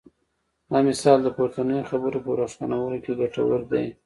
دا مثال د پورتنیو خبرو په روښانولو کې ګټور دی.